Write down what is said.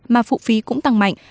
mà phụ phi cũng tăng mạnh